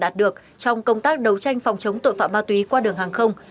trong công tác đấu tranh phòng chống tội phạm ma túy qua đường hàng không